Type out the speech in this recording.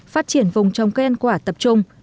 phát triển vùng trong khen quả tập trung